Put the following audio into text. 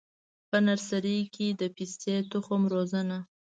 په نرسري کي د پستې د تخم روزنه: